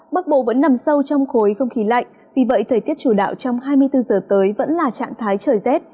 bắc bộ vẫn nằm sâu trong khối không khí lạnh vì vậy thời tiết chủ đạo trong hai mươi bốn giờ tới vẫn là trạng thái trời rét